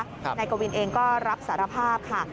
นายกวินเองก็รับสารภาพค่ะ